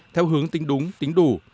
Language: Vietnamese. theo hướng tính đúng tính đủ